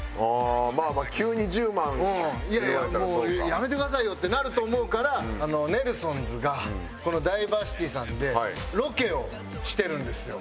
「やめてくださいよ」ってなると思うからネルソンズがこのダイバーシティさんでロケをしてるんですよ。